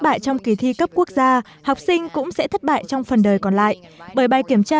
bài trong kỳ thi cấp quốc gia học sinh cũng sẽ thất bại trong phần đời còn lại bởi bài kiểm tra